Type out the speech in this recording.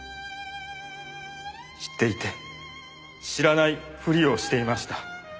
知っていて知らないふりをしていました。